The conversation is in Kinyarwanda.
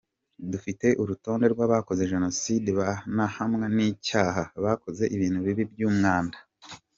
Dufite urutonde rw’abakoze Jenoside banahamwa n’icyaha, bakoze ibintu bibi by’umwanda.